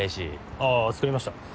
あぁ作りました。